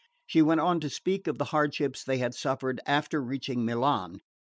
She went on to speak of the hardships they had suffered after reaching Milan.